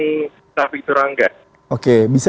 kereta api turangga oke bisa